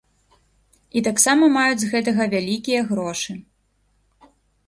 І таксама маюць з гэтага вялікія грошы.